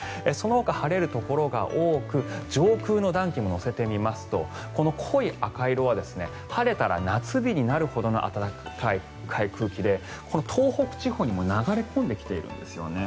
そのほか晴れるところが多く上空の暖気も乗せてみますとこの濃い赤色は晴れたら夏日になるほどの暖かい空気でこの東北地方にも流れ込んできているんです。